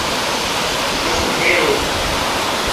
dosiero